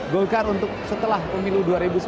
golkar untuk setelah pemilu dua ribu sembilan belas